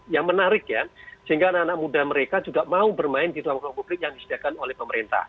yang menarik ya sehingga anak anak muda mereka juga mau bermain di ruang ruang publik yang disediakan oleh pemerintah